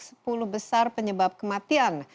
sepuluh besar penyebab kematian